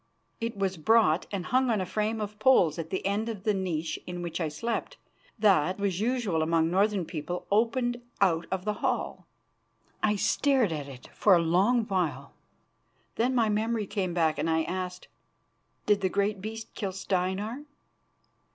It was brought and hung on a frame of poles at the end of the niche in which I slept, that, as was usual among northern people, opened out of the hall. I stared at it for a long while. Then my memory came back and I asked: "Did the great beast kill Steinar?"